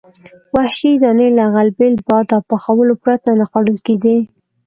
وحشي دانې له غلبیل، باد او پخولو پرته نه خوړل کېدې.